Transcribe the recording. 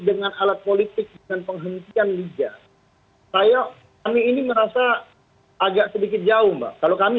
halat politik dengan pengkhandian lige bb ini merasa agak sedikit jauh kalau kami